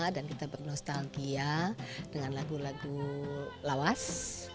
dan kita bernostalgia dengan lagu lagu lawas